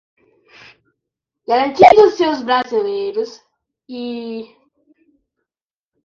garantindo-se aos brasileiros e aos estrangeiros residentes no país a inviolabilidade do direito